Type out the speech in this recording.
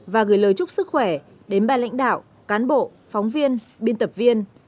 và gửi lời chúc sức khỏe đến ba lãnh đạo cán bộ phóng viên biên tập viên